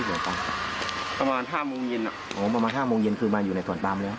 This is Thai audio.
หมัมมา๕โมงเย็นคือมาอยู่ในส่วนปั๊มแล้ว